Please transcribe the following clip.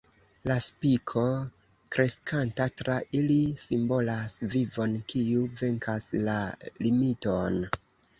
La spiko, kreskanta tra ili, simbolas vivon, kiu venkas la militon.